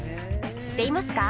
知っていますか？